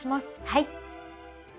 はい。